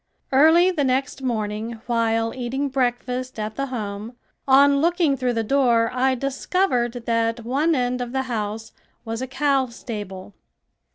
Early the next morning while eating breakfast at the home, on looking through the door I discovered that one end of the house was a cow stable.